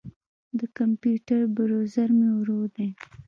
د کمپیوټر بروزر مې ورو دی.